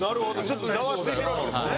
ちょっとざわついてるわけですね。